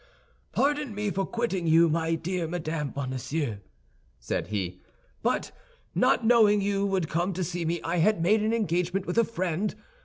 "Pardon me for quitting you, my dear Madame Bonacieux," said he; "but, not knowing you would come to see me, I had made an engagement with a friend.